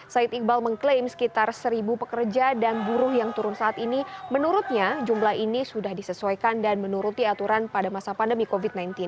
said iqbal mengklaim sekitar seribu pekerja dan buruh yang turun saat ini menurutnya jumlah ini sudah disesuaikan dan menuruti aturan pada masa pandemi covid sembilan belas